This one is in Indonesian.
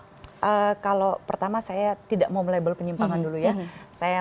ya kalau pertama saya tidak mau melabel penyimpangan dulu ya